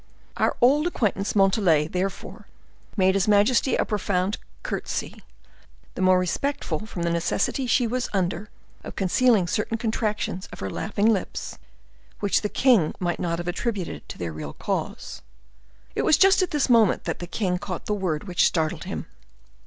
Our old acquaintance Montalais, therefore, made his majesty a profound courtesy, the more respectful from the necessity she was under of concealing certain contractions of her laughing lips, which the king might not have attributed to their real cause. It was just at this moment that the king caught the word which startled him.